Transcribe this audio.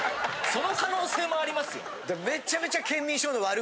その可能性もありますよ。